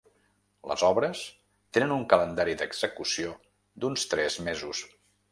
Les obres tenen un calendari d’execució d’uns tres mesos.